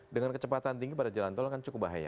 dengan kecepatan tinggi pada jalan tol kan cukup bahaya